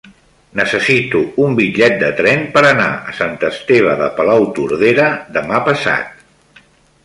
Necessito un bitllet de tren per anar a Sant Esteve de Palautordera demà passat.